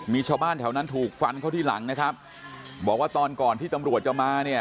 มีชาวบ้านถูกฟันเขาที่หลังบอกว่าตอนก่อนที่ตาหมรอหาจะมา